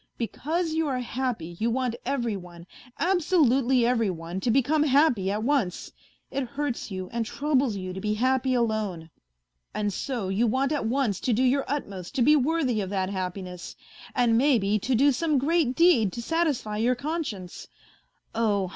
Because you are happy, you want every one, absolutely every one, to become happy at once. It hurts you and troubles you to be happy alone. And so you want at once to do your utmost to be worthy of that happiness, and maybe to do some great deed to satisfy your conscience. Oh